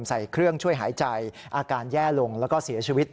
ใส่เครื่องช่วยหายใจอาการแย่ลงแล้วก็เสียชีวิต